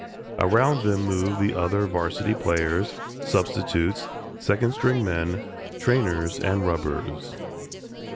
Around them moved the other varsity players, substitutes, second string men, trainers and rubbers.